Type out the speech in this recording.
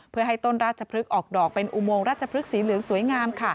เพื่อให้ต้นราชพฤกษ์ออกดอกเป็นอุโมงราชพฤกษีเหลืองสวยงาม